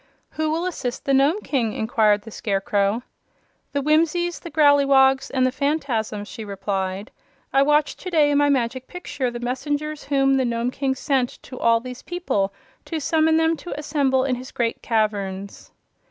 "Who will assist the Nome King?" inquired the Scarecrow. "The Whimsies, the Growleywogs and the Phanfasms," she replied. "I watched to day in my Magic Picture the messengers whom the Nome King sent to all these people to summon them to assemble in his great caverns."